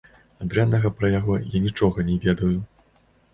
А дрэннага пра яго я нічога не ведаю.